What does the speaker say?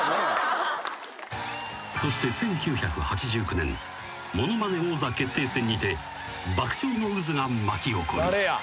［そして１９８９年『ものまね王座決定戦』にて爆笑の渦が巻き起こる］